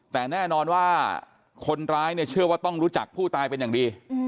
แต่แน่นอนว่าคนร้ายเนี่ยเชื่อว่าต้องรู้จักผู้ตายเป็นอย่างดี